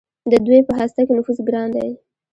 د دوی په هسته کې نفوذ ګران دی.